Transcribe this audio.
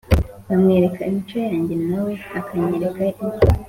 nkamwereka imico yange na we akanyereka iye